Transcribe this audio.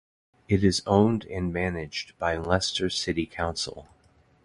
It is owned and managed by Leicester City Council.